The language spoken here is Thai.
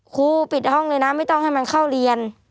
ครูปิดห้องเลยนะไม่ต้องให้มันเข้าเรียน